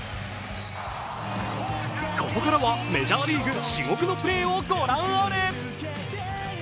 ここからはメジャーリーグ至極のプレーを御覧あれ。